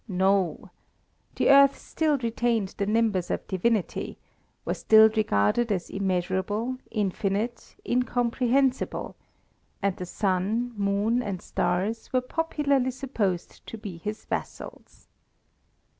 No! The Earth still retained the nimbus of divinity; was still regarded as immeasurable, infinite, incomprehensible; and the sun, moon, and stars were popularly supposed to be his vassals.